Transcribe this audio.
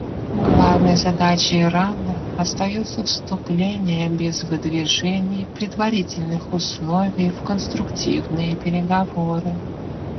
Главной задачей Ирана остается вступление без выдвижения предварительных условий в конструктивные переговоры.